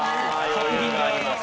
余裕があります。